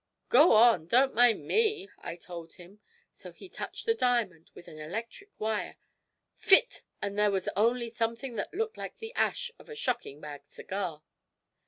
"Go on, don't mind me!" I told him, so he touched the diamond with an electric wire "phit!" and there was only something that looked like the ash of a shocking bad cigar.